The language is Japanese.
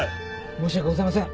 申し訳ございません。